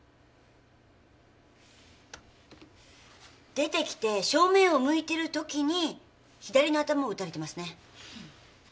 出てきて正面を向いてる時に左の頭を撃たれてますね。